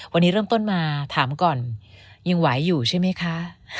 วันนี้เริ่มต้นมาถามก่อนยังไหวอยู่ใช่ไหมคะ